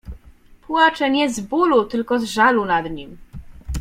Płacze nie z bólu, tylko z żalu nad nim.